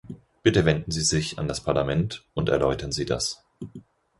Bitte wenden Sie sich an das Parlament, und erläutern Sie das.